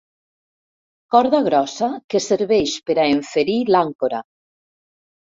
Corda grossa que serveix per a enferir l'àncora.